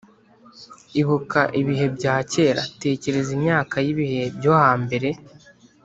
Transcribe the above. Ibuka ibihe bya kera tekereza imyaka y’ ibihe byo hambere